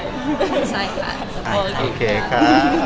ใช่ค่ะโอเคค่ะ